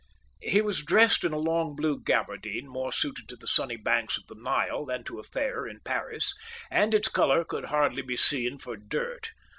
He was dressed in a long blue gabardine, more suited to the sunny banks of the Nile than to a fair in Paris, and its colour could hardly be seen for dirt.